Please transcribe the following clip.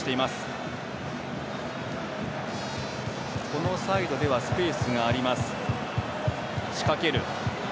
このサイドではスペースがあります。